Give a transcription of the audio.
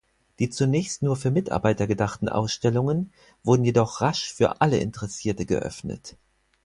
Die zunächst nur für Mitarbeiter gedachten Ausstellungen wurden jedoch rasch für alle Interessierte geöffnet.